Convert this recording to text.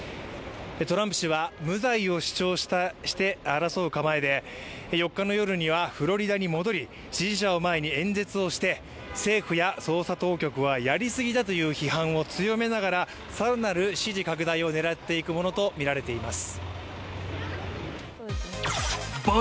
トランプ氏は無罪を主張して争う構えで４日の夜にはフロリダに戻り、支持者を前に演説をして政府や捜査当局はやり過ぎだという批判を強めながら更なる支持拡大を狙っていくものとみられています。